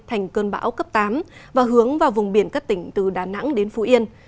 thành cơn bão cấp tám và hướng vào vùng biển các tỉnh từ đà nẵng đến phú yên